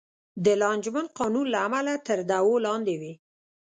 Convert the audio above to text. د لانجمن قانون له امله تر دعوو لاندې وې.